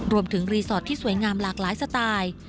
รีสอร์ทที่สวยงามหลากหลายสไตล์